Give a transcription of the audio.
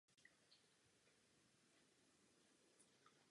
Vystudoval dramaturgii na Masarykově univerzitě v Brně.